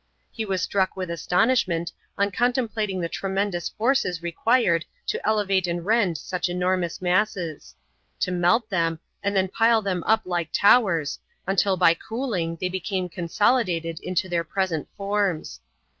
He was struck with astonishment on contemplating the tremendous forces required to elevate and rend such enormous masses to melt them, and then pile them up like towers, until by cooling they became consolidated into their present forms.